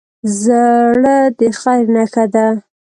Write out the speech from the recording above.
زړه د خیر نښه ده.